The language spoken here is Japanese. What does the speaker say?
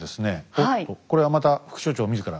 おっとこれはまた副所長自ら？